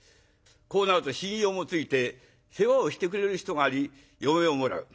こうなると信用もついて世話をしてくれる人があり嫁をもらう。